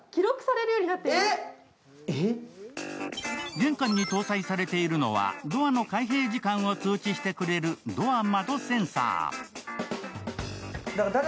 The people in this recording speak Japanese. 玄関に搭載されているのは、ドアの開閉時間を通知してくれるドア・窓センサー。